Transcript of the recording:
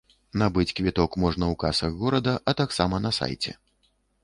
Набыць квіток можна ў касах горада, а таксама на сайце.